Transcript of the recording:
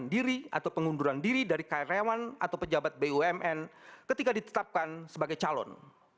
diri atau pengunduran diri dari karyawan atau pejabat bumn ketika ditetapkan sebagai calon